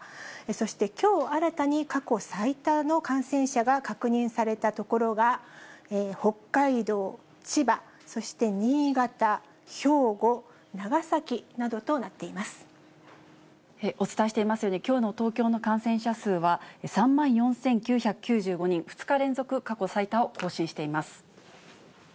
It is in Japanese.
そしてきょう新たに、過去最多の感染者が確認された所が、北海道、千葉、そして新潟、兵庫、お伝えしていますように、きょうの東京の感染者数は、３万４９９５人、２日連続、過去最多を更新しています。